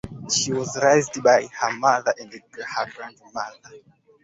She was raised by her mother and her grandmother.